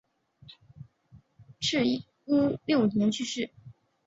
赤乌六年去世。